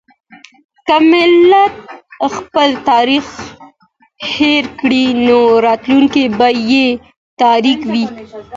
که ملت خپل تاريخ هېر کړي نو راتلونکی به يې تاريک وي.